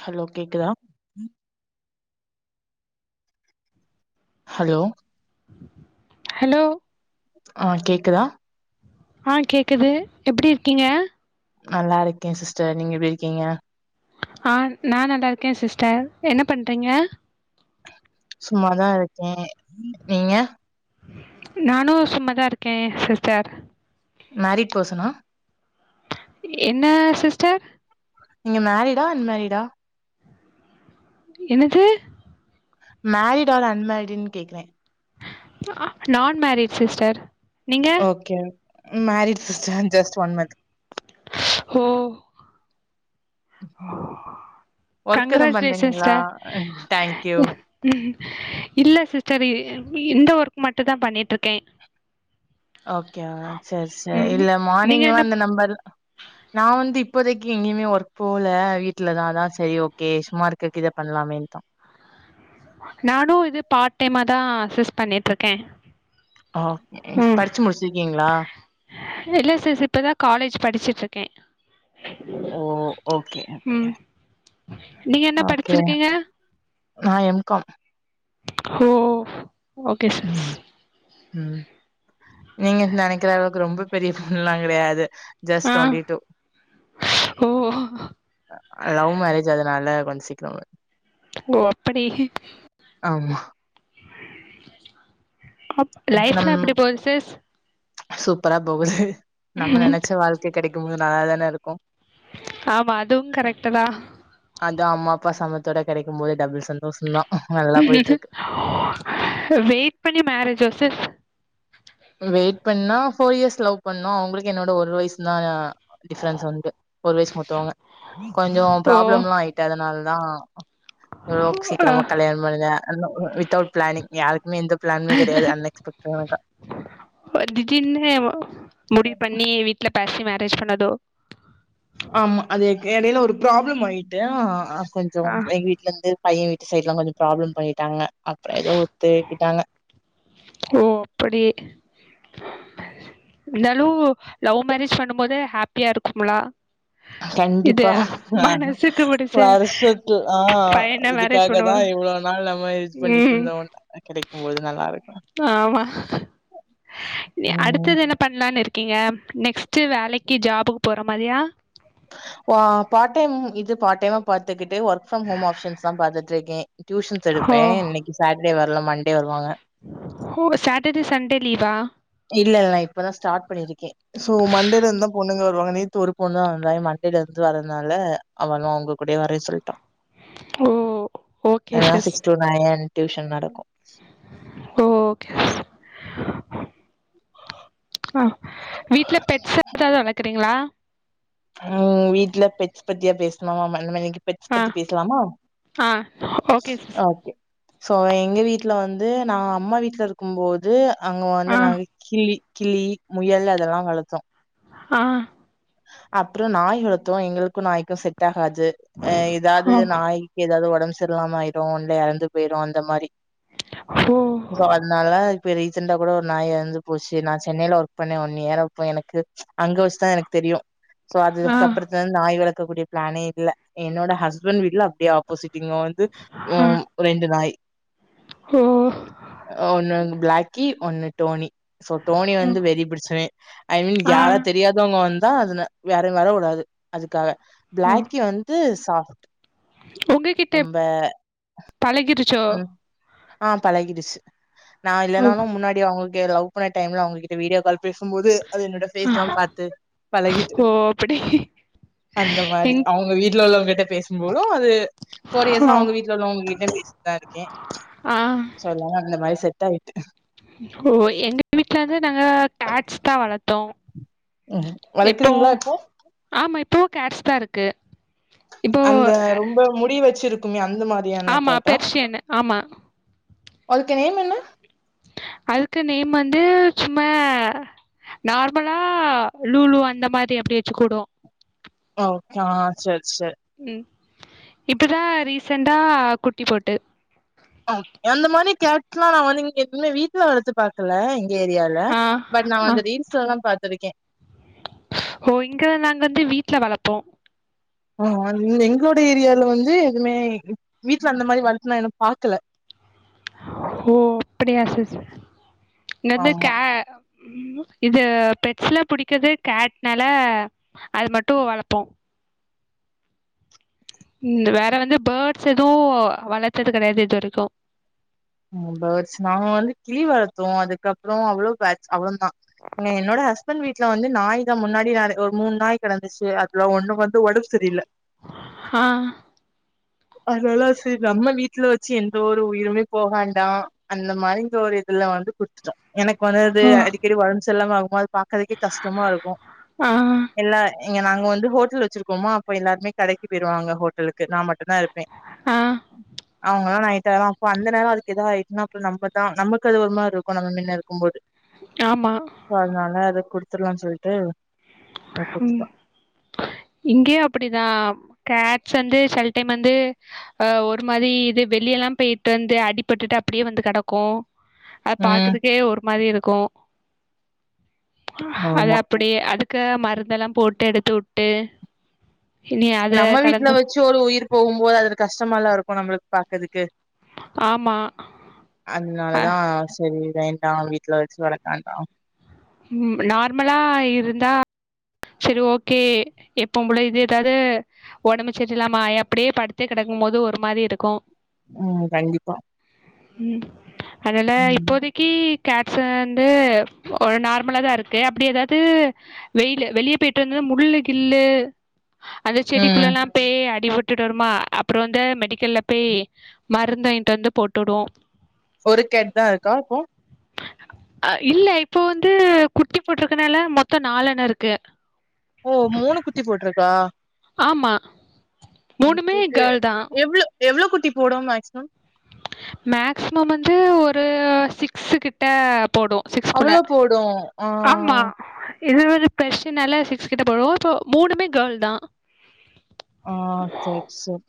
Hello கேக்குதா hello hello ஆ கேக்குதா ஆ கேக்குது எப்டி இருக்கீங்க நல்லா இருக்கே சிஸ்டர் நீங்க எப்டி இருக்கீங்க ஆ நா நல்லா இருக்கே சிஸ்டர் என்ன பண்றீங்க சும்மாதா இருக்கே நீங்க நானு சும்மதா இருக்கே சிஸ்டர் மரிட் பர்சனா என்ன சிஸ்டர் நீங்க மரிடா அன்மேரிடா என்னது மரிட் ஆர் அன்மேரிடுன்னு கேக்குறே நான் மரிட் சிஸ்டர் நீங்க okay married sister just one month ஹோ ம் ஒர்க் எதும் கங்ராஜுலேஷன் பண்றீங்களா சிஸ்டர் தேங்க்யூ இல்ல சிஸ்டர் இந்த ஒர்க் மட்டுதான் பண்ணிட்டு இருக்கே ஓகே ஆஹ் செரி செரி இல்ல நீங்க மார்னிங்கு என்ன வந்து நம்பல் நா வந்து இப்போதைக்கு எங்கேயுமே ஒர்க் போகல வீட்டுலதாதான் சரி ஓகே சும்மா இருக்ககு இத பண்ணலாமேன் தா நானும் இது பார்ட் டைமா தா சிஸ் பண்ணிட்டு இருக்கே ஆ உம் படிச்சு முடிச்சிருக்கீங்களா இல்ல சிஸ் இப்பதான் காலேஜ் படிச்சுட்டு இருக்கே ஓ ஓகே ஓகே உம் நீங்க என்ன படிச்சிருக்கீங்க நா எம் காம் ஹோ ஓகே சிஸ் உம் நீங்க நெனைக்கிற அளவுக்கு ரொம்ப பெரிய பொண்ணலா கெடையாது ஜஸ்ட் ஆ ட்வெண்டி டூ ஓ லவ் மேரேஜ் அதனால வந்து சிக்ரவன் ஓ அப்படி ஆமா. ஓகே. நம் லைஃப்லாம் எப்படி போது சிஸ் சூப்பரா போகுது நம்ம நெனச்ச வாழ்க்கை கிடைக்கும்போது நல்லா தானே இருக்கும் ஆமா அதுவும் கரெக்ட தான் அது அம்மா அப்பா சமத்தோட கிடைக்கும் போது டபுள் சந்தோஷம் தான் நல்லா போயிட்டுருக்கு. வெயிட் பண்ணி மேரேஜ் சிஸ் வெயிட் பண்ணா ஃபோர் இயர்ஸ் லவ் பண்ணணும் அவங்களுக்கு என்னோட ஒரு வயசு தான் டிபரன்ஸ் வந்துட்டு ஒரு வயசு முத்தவங்க கொஞ்சம் ஓ ப்ராப்ளம் எல்லாம் ஆயிட்டு அதனால ஆ இவளோ ஆ சீக்கிரமா கல்யாணம் முடிஞ்ச வித்தவுட் பிளானிங் யாருக்குமே இந்த பிளான்மே கிடையது அன்எக்ஸ்பெக்ட்ட தீடிரினு முடிவு பண்ணி வீட்ல பேக் மேரேஜ் பண்ணதோ ஆமா அதே எடையில ஒரு ப்ராப்ளம் ஆயிட்டு கொஞ்சம் ஆ எங்க வீட்டு்ல இருந்து பையன் வீட்டு சைடுைல கொஞ்சம் ப்ராப்ளம் பண்ணிட்டாங்க அப்புறம் ஏதோ ஒத்துக்கிட்டாங்க ஓ இது கண்டிப்பா ஆ மனசுக்கு புடிச்ச வருஷத்து ஆ பையன மேரேஜ் பண்ணுவோ இதுக்காகதான் இவ்வளவு நாள் நம்ம இது பண்ணிட்டு ம் இருந்தோம் கிடைக்கும்போது நல்லா இருக்கும் ஆமா ம் [unintelligible] இருக்கீங்க நெக்ஸ்ட் வேலைக்கு ஜாபுக்கு போற மாரியா பார்ட் டைம் இது பார்ட் டைம் பாத்துக்கித்து ஒர்க் ஃப்ரம் ஹோம் ஆப்ஷன்ஸ் தான் பாத்துட்டு இருக்கே டியூஷன்ஸ் ஓ எடுப்பே இன்னைக்கு சார சண்டே வரல மண்டே வருவாங்க ஓ சாட்டர்டே சண்டே லீவா இல்ல இ நான் இப்பதான் ஸ்டார்ட் பண்ணிருக்கேன் சோ மண்டேல இருந்துந்தான் பொண்ணுங்க வருவாங்க நேத்து ஒரு பொண்ணு தான் வந்தாய மண்டேல இருந்து வரதுனால அவளும் அவங்க கூட வர சொல்லிட்டோ ஓ ஓகே எல்லா sis six to nine tuition நடக்கும் ஓ ஓகே ஆ வீட்ல பெட்ஸ் எதாவது வளக்குறீங்களா ம் வீட்டுல பெட்ஸ் பத்தியா பேசுவாங்க [unintelligible] பெட்ஸ் ஆ பத்தி பேசலாமா ஆ ஓகே சிஸ் சோ எங்க வீட்டுல வந் அங்க ஆ வந்து நா கிள்ளி கிள்ளி முயல்ல அதெல்லாம் வளர்த்தோம் ஆ அப்புறம் நாய் வளர்த்தோம் எங்களுக்கும் நாய்க்கும் செட் ஆ அது ஓ [unintelligible] ஆயிரும் ஓ சோ அதுனால இப்போ ரீசண்டா கூட ஒரு நாய் எறந்து போச்சு நான் சென்னையில ஒர்க் பண்ணேன் ஒன்னு இயர் எனக்கு அங்க வச்சுதான் எனக்கு தெரியும் சோ ஆ அதுக ப்புறத்துலருந்து நாய் வளக் இருக்க கூடிய பிளானே இல்ல என்னோட ஹஸ்பன்ட் வீட்ல அப்டியே ஆப்போசிட் இங்க வந்து ஆ உம் ரெண்டு நாய் ஓ அ ஒன்னு ப்ளாக்கி ஒன்னு டோனி சோ டோனி ஓ, வந்து வெறி பிடிச்சவே ஐ மீன் ஆ யாரா தெரியாதவங்க வந்து தா அதுன வேற வேற உடாது அதுக்காக ஓ. பிளாக்கி வந்து சா உங்ககிட்ட எப் பழகிருச் ச்சோ ஆஹ் பழகிடுச்சு நா ஓ இல்லன்னாலு முன்னாடி அவுங் லவ் பண்ண டைம்ல அவுங்ககிட்ட வீடியோ கால் பேசும்போது அது என்னோட ஆ, பேஸ்ல்லா பாத்து பழகிட்டு ஓ அப்படி அந்த மாதிரி எங் அவுங்க வீட்டுல உள்ளவங்கக்கிட்ட பேசும்போது அது கொரியசா ஓ அவுங்க வீட்ல உள்ளவங்ககிட்ட இருக்கே ஆ சொல்லா அந் வயச எத்தா ஓ எங்க வீட்லருந்து நாங்க கேட்ஸ் தா வளர்த்தோ உம் வளக்கிறீங்களா இப்போ பூ கேட்ஸ் தா இருக்கு இப்போ அந்த ரொம்ப முடி வச்சிருக் ஆமா பெர்ஷியன் ஆமா அதுக்கு நேம் என்ன அதுக்கு நேம் வந்து சும்மா நார்மலா லூலு அந்த மாரி அப்டியே வெச்சு கூப்டுவோ ஓகே ஆஹ் செர் செர் உம் இப்பதா ரீசண்டா குட்டி போட்டு அந்த மாதிரி கேட்டுலா நா வந்து இங்க வீட்ல வளரத்து பாக்கல ஏரியால ஆ பட் நா ஆ வந்து ரீல்ஸ்லல்லா பாத்துருக்கே ஓ இங்க நாங்க வந்து வீட்டுல வளப்போ ஆஹ் எ எங்களோட ஏரியாலா வந்து எதுமே வீட்ல அந்த மாரி வளத்துனா இன்னு பாக்கல ஓ அப்டியா சிஸ் இங்கேருந்து ஆமா கே இது பெட்ஸ்ல புடிக்கது கேட்னால அது மட்டும் வளப்போ உம் வேற வந்து பேர்ட்ஸ் எதுவு வளத்தது கெடையாது இது வரைக்கு பேர்ட்ஸ் நாவந்து கிளி வளத்தோ அதுக்கப்புறோ அவ்ளோ பேட்ச் அவன்தா இங்க என்னோட ஹஸ்பண்ட் வீட்ல வந்து நாய் தா முன்னாடி நாலு ஒரு மூணு நாய் கெடந்துச்சு அதுல ஒண்ணு வந்து ஒடம்ப சரில்ல ஆஹ் அதனால செரி நம்ம வீட்ல வெச்சு எந்த ஒரு உயிருமே போகாண்டா அந்த மாரி ஒரு இதுல வந்து குடுத்துட்டோ எனக்கு வந்தது ஆ அடிக்கடி ஒட செல்லமாகுமது பாக்கதுக்கே கஷ்டமாருக்கு எல்லா இங்க நாங்க வந்து ஹோட்டல் வச்சிருக்கோம அப்ப எல்லாருே கடைக்கு போயிருவாங்க ஹோட்டலுக்கு நாமட்டு தா இருப்பே ஆ அவங்காலா நைட் த அப்ப அந்த நேரோ அதுக்கு எதா ஆயிடுச்சுன்ன அப்புரம் நம்ப தா நமக்கு அது ஒருமாரி இருக்கும் நம்ம மின்ன இருக்கும் போது ஆமா சோ அதனால அத குடுத்து த்துலாம்னு சொல்லிட்டு உம் இங்கயே அப்படிதா கேட்ஸ் வந்து செல டைம் வந்துஹ ஒரு மாதி இது வெளிய எல்லாம் போய்ட்டு வந்து அடிப்பட்டுட்டு அப்படியே வந்து கிடக்கும் அது ம் பாக்குதுக்கே ஒரு மாரி இருக்கும் க்கு அது ஆமா அப்படி அது க்க மருந்தெல்லாம் போட்டு எடுத்து விட்டு நம்ம வீட்டுல வச்சு ஒரு உயிர் போகும்போது அதுல கஷ்டமால்லா இருக்கும் நம்மளுக்கு பாக்குறதுக் க்கு ஆமா அ அதனாலதா சரி வேண்டா வீட்டுல வச்சு வளர்க்காண்டான் நார்மலா இருந்தா சரி ஓகே எப்பம்போள இது ஏதாது உடம்பு சரியலாமா ஆயி அப்பிடே படுத்தே கிடக்கும் போது ஒரு மாரி இருக்கும் உம் கண்டிப்பா உம் அதனால ம் இப்போதைக்கு கேட்ஸ் வந்து ஒரு நார்மலா தா இருக்கு அப்படி எதாதுவெயிலு வெளியே போய்டிட்டு வந்து முள்ளு கில்லு அந்த செடிக்குள்ள ம் எல்லாம் பே அடி டுட்டு வருமா அப்புறம் வந்து மெடிக்கல்ல பேய் மருந்துவாய்ண்ட்டு வந்து போட்டொவோம் ஒரு கேட் தா இருக்கா போ அஹ் இல்ல இப்போ வந்து குட்டி போட்ருக்கனால மொத்தம் நாலன இருக்கு ஓ மூணு குட்டி போட்ருக்கா ஆமா மூணுமே ஓகே ஓகே கேள் தா எவ்ளோ எவ்ளோ குட்டி போடும் மேக்ஸிமம் மேக்ஸிமம் வந்து ஒரு உ சிக்ஸு கிட்ட போடும் சிக்ஸ்குள்ள அவ்ளோ போடு ஆமா ஆஹ் இது ஒரு பெர்ஸ்னால சிக்ஸ் கிட்ட போடும் இப்போ மூணுமே கேர்ள் தா ஆஹ் சர் சர்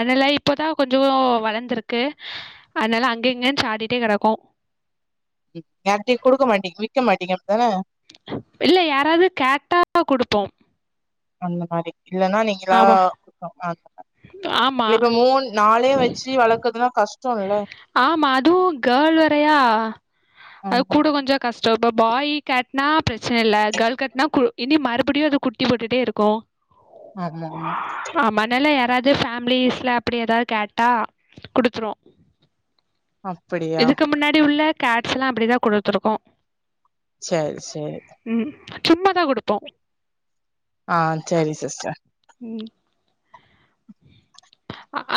அதலா இப்பதான் கொஞ்சொ வளர்ந்திருக்கு உஹ் அதனால அங்க இங்கன்னு சாடிட்டே கிடக்கும் யாட்டையு குடுக்க மாட்டீங்க விக்க மாட்டீங்க அப்டிதானே இல்ல யாராவது கேட்டா குடுப்போ அந்த மாரி இல்லன்னா நீங்களா ஹன் ஆமா இத மூண் நாளே வச்சு வளர்க்குறதுலா கஷ் ஆமா அதுவும் கேள் வேரயா அது ஆமா கூட கொஞ்சோ கஷ்டம் இப்ப பாய் கேட் நா பிரச்சன இல்ல கேள் கெட்னா கு இனி மறுபுடியு அது குட்டி போட்டுட்டே இருக்கு ஆமா ஆமா ஆமாண்ணல்ல யாராது இது ஃபேமிலிஸ்ல அப்டி ஏதாவது கேட்டா குடுத்துரு அப்படியா இதுக்கு முன்னாடி உள்ள கேட்ஸ் லா அப்படிதா குடுத்துருகோ சர் சேர் சும்மா தா குடுப்போ ஆஹ் சரி சிஸ்டர் ம்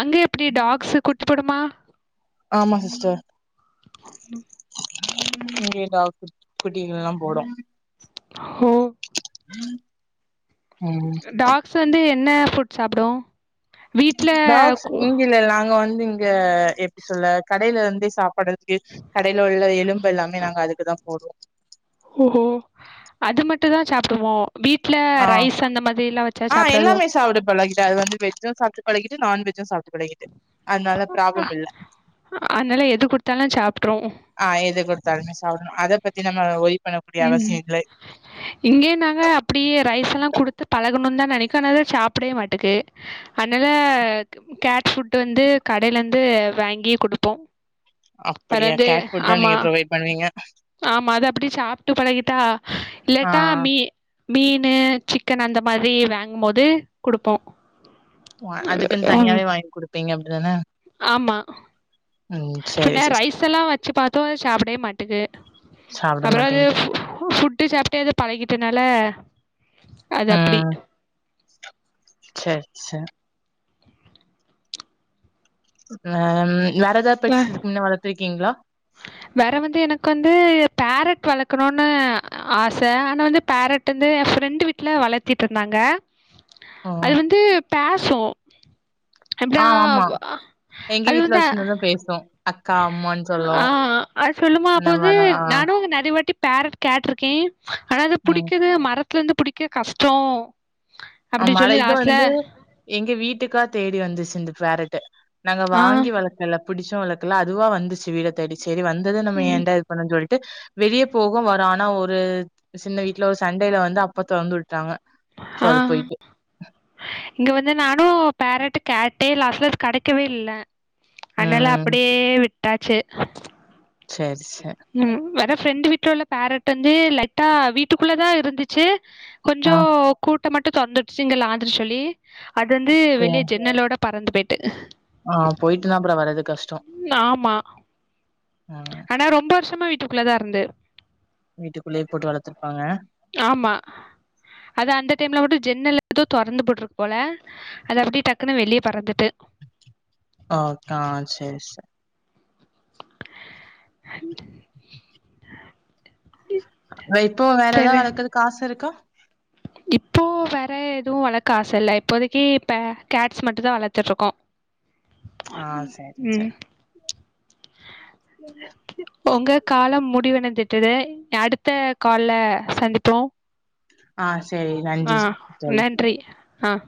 அங்க எப்டி டாக்ஸு குட்டி போடுமா ஆமா சிஸ்டர் உம் இங்க எல்லா டாக் குட்டிகளல்லா போடு ஓ உம் டாக்ஸ் வந்து என்ன ஃபுட் சாப்டு வீட்ல டாக்ஸ் கு- இங்க இல்ல நாங்க வந்து இங்க எப்டி சொல்ல கடையில இருந்தே சாப்பாடு கடையில உள்ள எலும்பு எல்லாமே நாங்க அதுக்கு தா போடுவோ ஓஹோ அது மட்டு தா சாப்டுமோ வீட்ல ஆஹ் ரைஸ் அந்த மாதிரிலா வச்சா ஆஹ் சாப்டாதோ எல்லாமே சாப்டு பழகிட்ட அது வந்து வெஜ்ஜும் சாப்பிட்டு பழகிட்டு நான்வெஜ் வெஜ் சாப்டு பழகிடு அதனால ப்ராப்ளம் இல்ல அதனால எது குடுத்தாலும் சாப்ட்ரும் ஆஹ் எது கொடுத்தாலுமே சாப் அத பத்தி நம்ம ஒய் உம் ம் இங்கேய நாங்க அப்டியே ரைஸ்ல்லா குடுத்து பழகணுந்தா நெனக்கு அதுனாலதா சாப்புடவே மாட்டேக்கு அதனால கேட் ஃபுட் வந்து கடையில இருந்து வாங்கி குடுப்போ அப்படியா பெறந்து கேட் ஃபுட் தா ஆமா நீங்க ப்ரொவைட் பண்ணுவீங்க ஆமா அத அப்டி சாப் ட்டு பழகிட்டா ஆ இல்லட்டா மீ மீனு சிக்கன் அந்த மாரி வாங்கு போது குடுப்போ அதுக்குன் தனியாவே வாங்கி குடுப் ப்பீங்க அப்டிதான ஆமா ம் சேரி பின்ன சிஸ்டர் ரைஸ் எல்லா வச்சு பாத்தோ சாப்டவே மாட் ட்டுக்கு சாப்ட அப்ரோ அது மாட்டேங்குது ஃபுட்டு சாப்ட்டே அது பழகிட்டனால அது அப்டி ம் சர் ந ம் வேற எதாது அ பெட்ஸ் இதுக்குமுன்ன வளத்துருக்கீங்ளா வேற வந்து எனக்கு வந்து பேரட் வளர்க்கணுனு ஆச ஆனா வந்து பேரட் வந்து என் ஃப்ரெண்டு வீட்ல வளத்திட்டு இருந்தாங்க ஓ அது வந்து ஃபேர் சோ ஆ ஆமா எங்க வீட்ல வந்து வச்சுருந்தது பேசு அக்கா அம்மான்னு சொல்லு ஆ அ சொல்லுமா அப்ப அந்த வந்து மாரிலா ஆ நானுங் நெனப் து வாட்டி ஃபேரட் கேட்டிருக்கே ஆனா அது ம் புடிக்குது மரத் ல இருந்து புடிக்க கஷ்டோ ஆமால இது வந்து எங்க வீட்டுக்கா தேடி வந்துச்சு இந்த ஃபேரட்டு நாங்க ஆ வாங்கி வளர்க்கலப் பிடிச்சும் வளக்கல்ல அதுவா வந்துச்சு வீட தேடி செரி வந்தது நம்ம ம் ஏண்டா இது பண்ணும் சொல் ட்டு வெளியே போகு வரு ஆனா ஒரு சின்ன வீட்டுல ஒரு சண்டையில வந்து அப்ப தொறந்து விட்டுட்டாங்க சோ ஆ அது போய் இங்க வந்து நானு ஃபேரட்டு கேரட்டு லாஸ்ட்ல அது கெடக்கவே இல்ல அனால ம் அப்புடியே விட் விட்டாச்சு சேரிசு உம் வர ஃப்ரெண்டு வீட்டில் உள்ள பேரட் வந்து லைட்டா வீட்டுக்குள்ள தான் இருந்துச்சு ஆ கொஞ்சம் கூ மட்டும் தொந்தடுச்சிங்களா அட்ட சொல்லி அது வந்து வெளிய ஜன்னலோட பறந்துபேட்டு ஆஹ் போயிட்டு நான் அப்பறம் வரது கஷ்டம் ஆமா ஆனா ரொம்ப வருஷமா விட் தூக்குள்ளதா இருந்து வீட்டுக்குள்ளயே போட்டு வளர்த்துருப்பாங்க ஆமா அத அந்த டைம்மில் மட்டும் ஜென்ன எதோ திறந்து போட்டுருக்கு போல அது அப்படியே டக்குன்னு வெளியே பறந்துட்டு ஓ கா சேரி சேரி [inaudible] இப்போ வேற ஏதாவது சரி வளர்க்கறதுக்கு காசு இருக்கா இப்போ வேற எதுவும் வளர்க்க ஆசை இல்ல இப்போதைக்கு இப்ப கேட்ஸ் மட்டும் தான் வளர்த்துருக்கோம் ஆ சரி உம் சரி உங்க காலம் மு முடிவன தட்டுது அடுத்த கால சந்திப்போம் ஆஹ் ஆஹ் நன்றி ஆஹ்